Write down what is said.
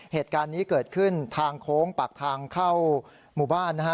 เหตุการณ์นี้เกิดขึ้นทางโค้งปากทางเข้าหมู่บ้านนะฮะ